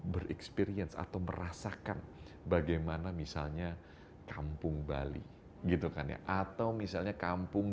bereksperience atau merasakan bagaimana misalnya kampung bali gitu kan ya atau misalnya kampung